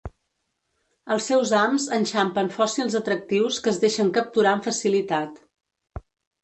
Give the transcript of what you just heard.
Els seus hams enxampen fòssils atractius que es deixen capturar amb facilitat.